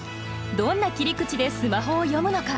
どんな切り口でスマホを詠むのか。